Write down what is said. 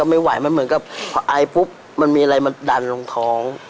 ไม่ไหวมันเหมือนกับพออายปุ๊บมันมีอะไรมันดันลงท้อง